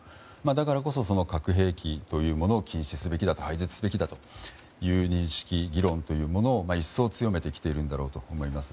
だからこそ、核兵器というものを禁止すべきだ廃絶すべきだという認識、議論を一層強めてきているんだろうと思います。